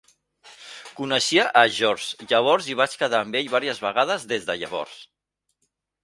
Coneixia a George llavors i vaig quedar amb ell vàries vegades des de llavors.